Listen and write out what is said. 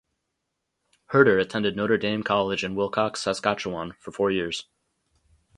Herter attended Notre Dame College in Wilcox, Saskatchewan for four years.